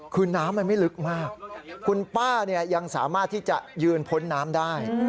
คือน้ำมันไม่ลึกมากคุณป้ายังสามารถที่จะยืนพ้นน้ำได้